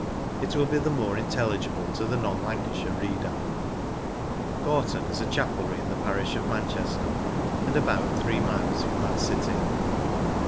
It will be the more intelligible to the non Lancashire reader. Gorton is a chapelry in the parish of Man chester, and about three miles from that city.